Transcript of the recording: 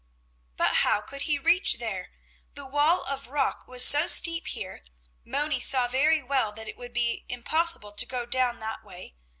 But how could he reach there? The wall of rock was so steep here, Moni saw very well that it would be impossible to go down that way.